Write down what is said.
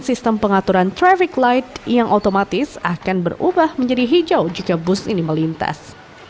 sistem pengaturan traffic light yang otomatis akan berubah menjadi hijau jika bus ini melintas